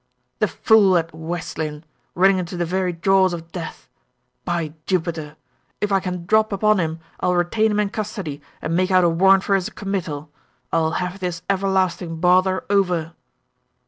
"The fool at West Lynne, running into the very jaws of death! By Jupiter! If I can drop upon him, I'll retain him in custody, and make out a warrant for his committal! I'll have this everlasting bother over."